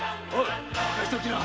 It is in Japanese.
任しときな。